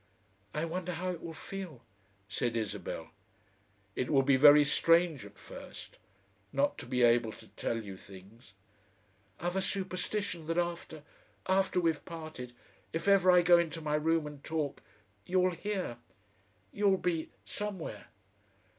"I wonder how it will feel?" said Isabel. "It will be very strange at first not to be able to tell you things." "I've a superstition that after after we've parted if ever I go into my room and talk, you'll hear. You'll be somewhere."